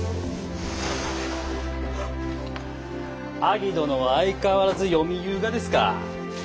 アギ殿は相変わらず読みゆうがですか。